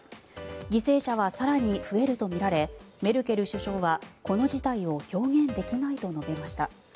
犠牲者は更に増えるとみられメルケル首相はこの事態を表現できないと述べました。